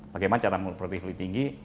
bagaimana cara produktif lebih tinggi